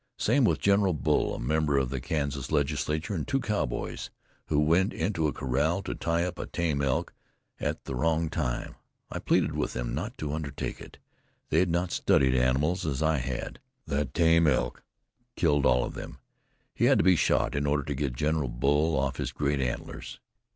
Same with General Bull, a member of the Kansas Legislature, and two cowboys who went into a corral to tie up a tame elk at the wrong time. I pleaded with them not to undertake it. They had not studied animals as I had. That tame elk killed all of them. He had to be shot in order to get General Bull off his great antlers.